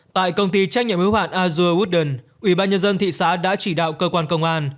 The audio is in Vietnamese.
tại công ty trách nhiệm hữu hạn azure wodern ủy ban nhân dân thị xã đã chỉ đạo cơ quan công an